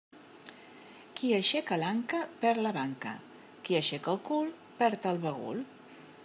Qui aixeca l'anca perd la banca, qui aixeca el cul perd el bagul.